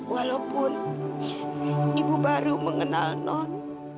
walaupun ibu baru mengenal not